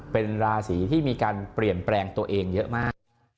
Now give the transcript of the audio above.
เป็นราศีที่มีการเปลี่ยนแปลงตัวเองเยอะมาก